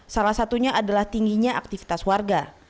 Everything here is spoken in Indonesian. salah satunya adalah tingginya aktivitas warga